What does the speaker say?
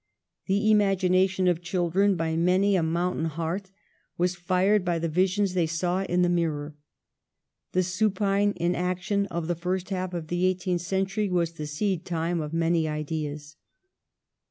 The imagination of children, by many a mountain hearth, was fired by the visions they saw in the "Mirror." The supine inaction of the first half of the eighteenth century was the seed time of many ideas.'